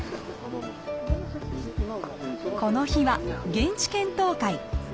この日は現地検討会。